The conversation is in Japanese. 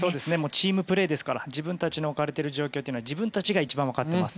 チームプレーですから自分たちの置かれている状況は自分たちが一番分かっています。